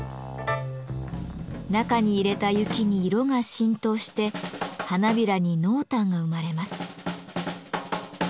中に入れた雪に色が浸透して花びらに濃淡が生まれます。